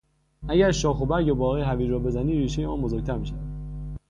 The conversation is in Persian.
اگر شاخ و برگ بالای هویج را بزنی ریشهی آن بزرگتر میشود.